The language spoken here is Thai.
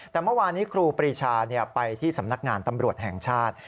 แต่เมื่อวานี้ครูปรีชาไปที่สำนักงานตำรวจแห่งชาติ